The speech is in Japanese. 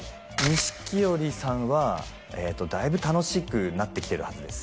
錦織さんはええとだいぶ楽しくなってきてるはずです